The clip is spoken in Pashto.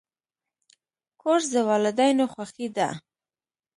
کورس د والدینو خوښي ده.